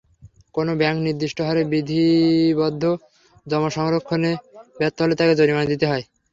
কোনো ব্যাংক নির্দিষ্ট হারে বিধিবদ্ধ জমা সংরক্ষণে ব্যর্থ হলে তাকে জরিমানা দিতে হয়।